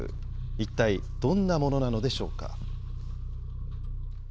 一体どんなものなのでしょうか。